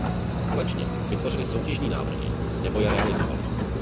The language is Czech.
Společně vytvořili soutěžní návrhy nebo je realizovali.